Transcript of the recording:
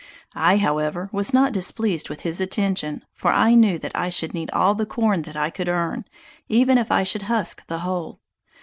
I, however, was not displeased with his attention; for I knew that I should need all the corn that I could earn, even if I should husk the whole.